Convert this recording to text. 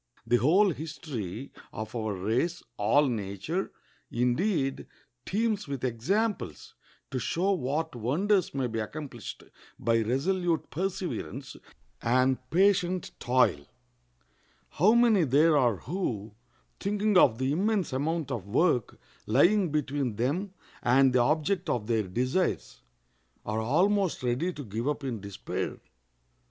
The whole history of our race, all nature, indeed, teems with examples to show what wonders may be accomplished by resolute perseverance and patient toil. How many there are who, thinking of the immense amount of work lying between them and the object of their desires, are almost ready to give up in despair!